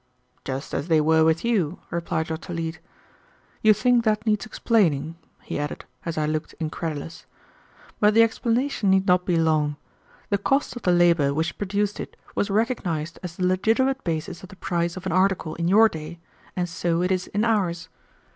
"Just as they were with you," replied Dr. Leete. "You think that needs explaining," he added, as I looked incredulous, "but the explanation need not be long; the cost of the labor which produced it was recognized as the legitimate basis of the price of an article in your day, and so it is in ours.